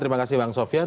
terima kasih bang sofyan